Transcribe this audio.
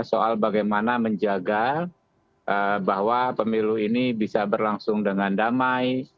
soal bagaimana menjaga bahwa pemilu ini bisa berlangsung dengan damai